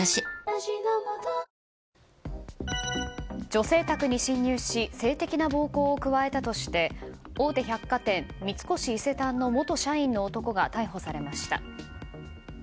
女性宅に侵入し性的な暴行を加えたとして大手百貨店三越伊勢丹の元社員の男が逮捕されました。